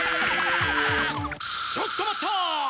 ちょっと待った！